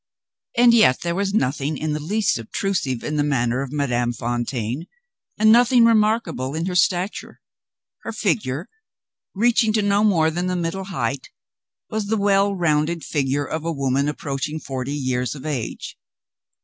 And yet there was nothing in the least obtrusive in the manner of Madame Fontaine, and nothing remarkable in her stature. Her figure, reaching to no more than the middle height, was the well rounded figure of a woman approaching forty years of age.